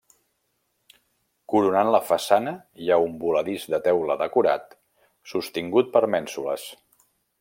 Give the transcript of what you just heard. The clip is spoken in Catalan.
Coronant la façana hi ha un voladís de teula decorat, sostingut per mènsules.